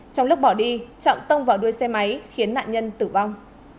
trong lúc bỏ đi trọng tông vào đuôi xe máy khiến nạn nhân tử vong